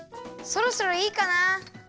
そろそろいいかな。